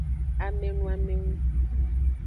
Amenoamengu.